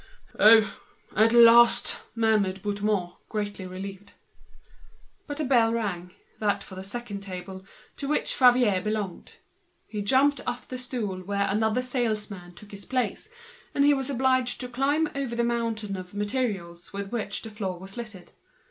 "Oh! at last!" murmured Bouthemont, greatly relieved. But a bell rang, it was the second table, to which Favier belonged. He got off the stool, another salesman took his place, and he was obliged to step over the mountain of pieces of stuff with which the floor was encumbered.